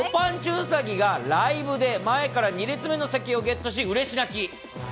うさぎがライブで前から２列目の席をゲットし、うれし泣き。